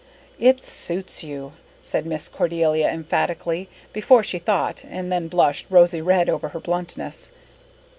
"It suits you," said Miss Cordelia emphatically, before she thought, and then blushed rosy red over her bluntness.